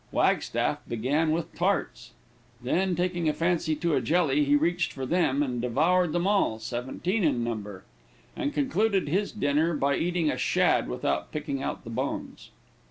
Wagstaff began with tarts, then taking a fancy to a jelly, he reached for them, and devoured them all, seventeen in number; and concluded his dinner by eating a shad without picking out the bones.